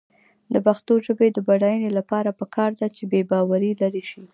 د پښتو ژبې د بډاینې لپاره پکار ده چې بېباوري لرې شي.